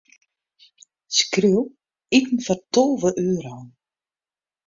Skriuw: iten foar tolve euro.